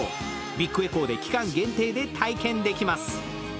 ビッグエコーで期間限定で体験できます。